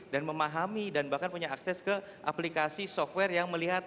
dan memahami dan bahkan punya akses ke aplikasi software yang melihat